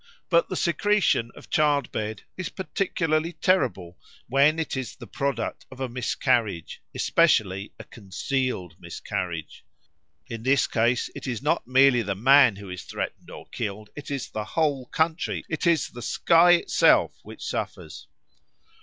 But the secretion of childbed is particularly terrible when it is the product of a miscarriage, especially a concealed miscarriage. In this case it is not merely the man who is threatened or killed, it is the whole country, it is the sky itself which suffers.